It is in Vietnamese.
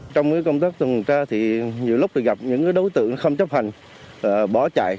trong công tác tuần tra thì nhiều lúc gặp những đối tượng không chấp hành bỏ chạy